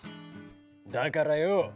だからよ